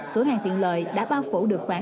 cửa hàng thiện lợi đã bao phủ được khoảng hai mươi